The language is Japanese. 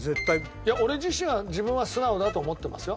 いや俺自身は自分は素直だと思ってますよ。